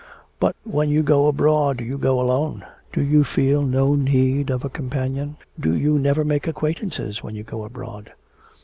'But when you go abroad you go alone do you feel no need of a companion? Do you never make acquaintances when you go abroad?'